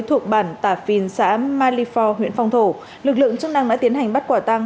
thuộc bản tà phiên xã malifaux huyện phong thổ lực lượng chức năng đã tiến hành bắt quả tăng